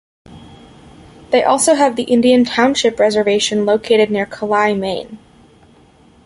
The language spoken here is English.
They also have the Indian Township Reservation, located near Calais, Maine.